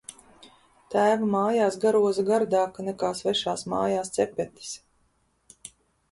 Tēva mājās garoza gardāka nekā svešās mājās cepetis.